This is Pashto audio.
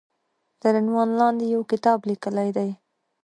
تر عنوان لاندې يو کتاب ليکلی دی